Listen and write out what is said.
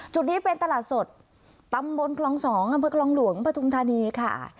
จุดนี้เป็นตลาดสดตำบลคลอง๒อำเภอคลองหลวงปฐุมธานีค่ะ